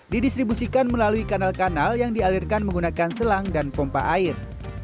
didistribusikan melalui kanal kanal yang dialirkan menggunakan selang dan pompa air